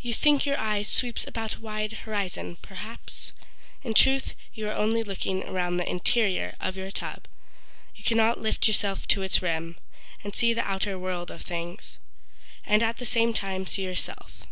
You think your eye sweeps about a wide horizon, perhaps, In truth you are only looking around the interior of your tub. You cannot lift yourself to its rim And see the outer world of things, And at the same time see yourself.